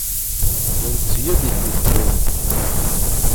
Nun zier dich nicht so.